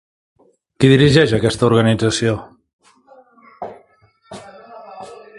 Qui dirigeix aquesta organització?